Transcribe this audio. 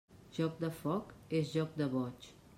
Joc de foc és joc de boig.